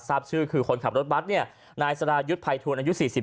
ทราบชื่อคือคนขับรถบัสนายศรายุทธ์ภัยทุนอายุ๔๗